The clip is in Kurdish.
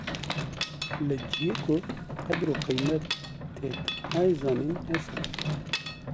Li ciyê ku qedir û qîmetê te nayê zanîn, nesekine.